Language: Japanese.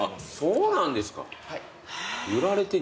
そうなんです。